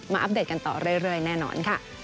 อัปเดตกันต่อเรื่อยแน่นอนค่ะ